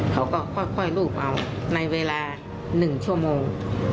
เขาก็ค่อยรูปเอาในเวลา๑ชั่วโมง